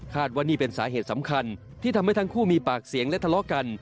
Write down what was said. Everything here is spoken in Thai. ว่านี่เป็นสาเหตุสำคัญที่ทำให้ทั้งคู่มีปากเสียงและทะเลาะกัน